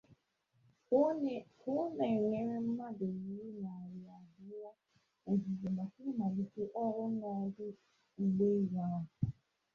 kwuo na e nyela mmadụ ruru narị abụọ ọzụzụ maka ịmàlite ọrụ n'ọdụ ụgbọelu ahụ